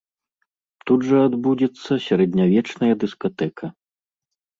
Тут жа адбудзецца сярэднявечная дыскатэка.